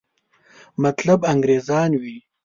مطلب انګریزان وي.